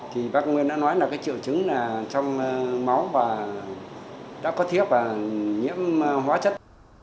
thì bác nguyên đã nói là cái triệu chứng là trong máu và đã có thiết và nhiễm hóa chất